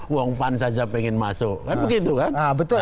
wongpan saja pengen masuk kan begitu kan